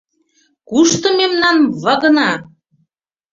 Кушто мемнан вагына?